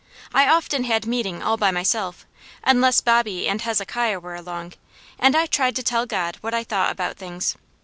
I often had meeting all by myself, unless Bobby and Hezekiah were along, and I tried to tell God what I thought about things.